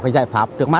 giải pháp trước mắt